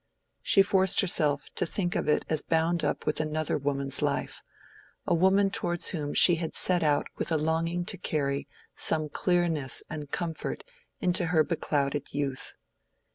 She forced herself to think of it as bound up with another woman's life—a woman towards whom she had set out with a longing to carry some clearness and comfort into her beclouded youth.